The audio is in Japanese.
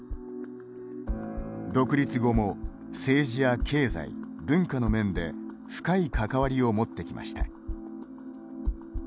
独立後も政治や経済、文化の面で深い関わりを持ってきました。